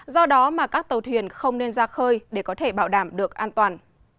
do đó mà các tàu thuyền không nên ra khơi để có thể bảo đảm được an toàn